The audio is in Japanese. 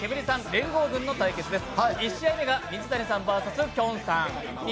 連合軍の対決です。